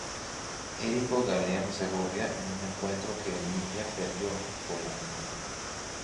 Erico Galeano Segovia, en un encuentro que Olimpia perdió por la mínima.